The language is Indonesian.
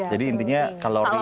jadi intinya kalau rian masuk